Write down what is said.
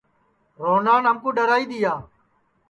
روہنان ہمکُو ڈؔرائی دؔیا